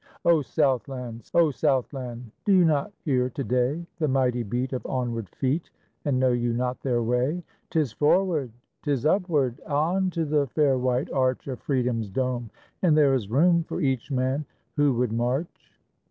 O Southland! O Southland! Do you not hear to day The mighty beat of onward feet, And know you not their way? 'Tis forward, 'tis upward, On to the fair white arch Of Freedom's dome, and there is room For each man who would march.